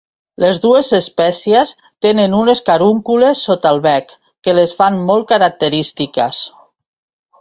Les dues espècies tenen unes carúncules sota el bec que les fan molt característiques.